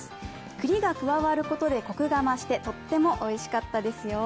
栗が加わることで、こくが増してとってもおいしかったですよ。